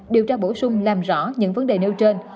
điều tra bổ sung làm rõ những vấn đề nêu trên